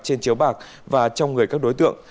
trên chiếu bạc và trong người các đối tượng